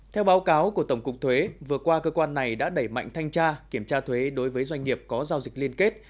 theo báo cáo của tổng cục thuế vừa qua cơ quan này đã đẩy mạnh thanh tra kiểm tra thuế đối với doanh nghiệp có giao dịch liên kết